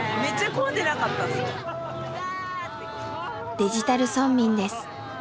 デジタル村民です。